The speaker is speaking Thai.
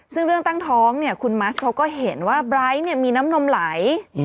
ซึ่งเรื่องตั้งท้องเนี่ยคุณมัสเขาก็เห็นว่าไบร์ทมีน้ำนมไหล